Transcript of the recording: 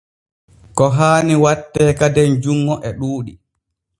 Ko haani watte kaden junŋo e ɗuuɗi.